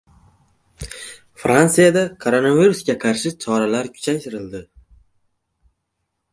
Fransiyada koronavirusga qarshi choralar kuchaytirildi